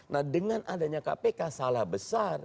nah dengan adanya kpk salah besar